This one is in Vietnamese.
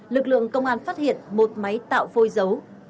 lực lượng công an phát hiện một máy tạo phôi dấu